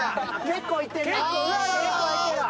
結構いってるわ。